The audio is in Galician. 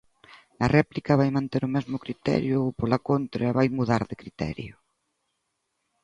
¿Na réplica vai manter o mesmo criterio ou, pola contra, vai mudar de criterio?